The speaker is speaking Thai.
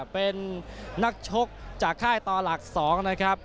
เป็นนักชกจากค่ายต่อหลัก๒นะครับ